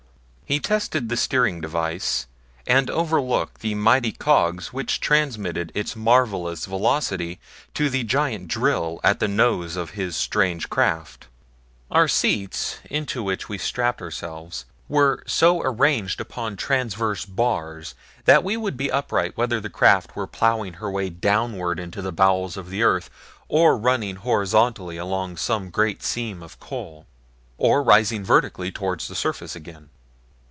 He tested the steering device, and overlooked the mighty cogs which transmitted its marvelous velocity to the giant drill at the nose of his strange craft. Our seats, into which we strapped ourselves, were so arranged upon transverse bars that we would be upright whether the craft were ploughing her way downward into the bowels of the earth, or running horizontally along some great seam of coal, or rising vertically toward the surface again.